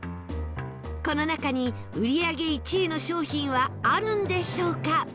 この中に売り上げ１位の商品はあるんでしょうか？